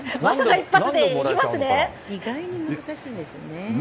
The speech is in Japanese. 意外に難しいんですよね。